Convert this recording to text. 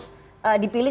dipilih sebagai cawapres